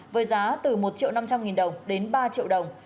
với giá từ một triệu năm trăm linh nghìn đồng đến ba triệu đồng